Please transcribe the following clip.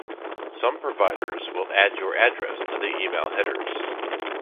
some providers will add your address to the email headers